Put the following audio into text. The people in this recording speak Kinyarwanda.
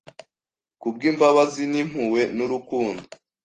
Kubwimbabazi nimpuhwe nurukundo